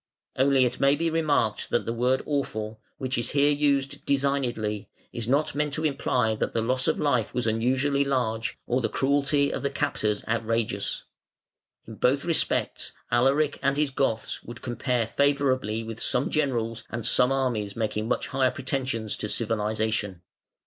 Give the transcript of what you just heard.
Only it may be remarked that the word awful, which is here used designedly, is not meant to imply that the loss of life was unusually large or the cruelty of the captors outrageous; in both respects Alaric and his Goths would compare favourably with some generals and some armies making much higher pretensions to civilisation.